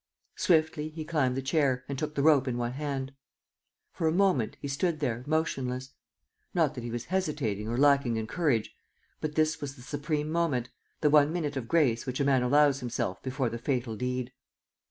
Swiftly he climbed the chair and took the rope in one hand. For a moment, he stood there, motionless: not that he was hesitating or lacking in courage. But this was the supreme moment, the one minute of grace which a man allows himself before the fatal deed.